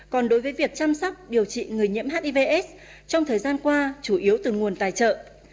còn đối với việc chăm sóc điều trị người nhiễm hivs trong thời gian qua chủ yếu từ nguồn tài trợ